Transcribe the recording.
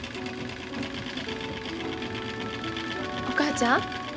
お母ちゃん。